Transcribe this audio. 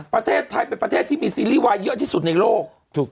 ประเทศไทยเป็นประเทศที่มีซีรีส์วายเยอะที่สุดในโลก